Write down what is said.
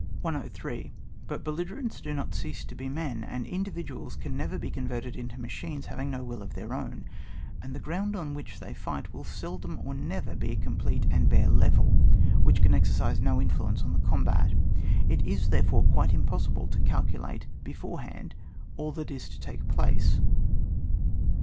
103. But belligerents do not cease to be men, and individuals can never be converted into machines having no will of their own ; and the ground on which they fight will seldom or never be a com plete and bare level, which can exercise no influence on the combat. It is, there fore, quite impossible to calculate before hand all that is to take place.